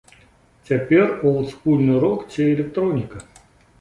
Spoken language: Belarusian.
Цяпер олдскульны рок ці электроніка.